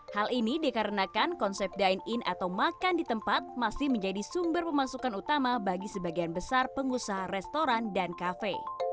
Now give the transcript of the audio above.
hal ini dikarenakan konsep dine in atau makan di tempat masih menjadi sumber pemasukan utama bagi sebagian besar pengusaha restoran dan kafe